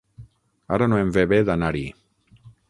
Ara no em ve bé d'anar-hi.